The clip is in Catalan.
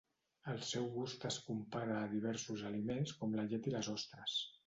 El seu gust es compara a diversos aliments com la llet i les ostres.